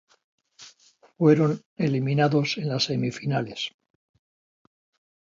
Fueron eliminados en las semifinales.